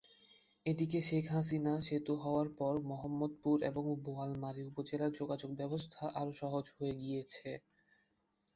এদিকে শেখ হাসিনা সেতু হওয়ার পর মহম্মদপুর এবং বোয়ালমারী উপজেলার যোগাযোগ ব্যবস্থা আরও সহজ হয়ে গেছে।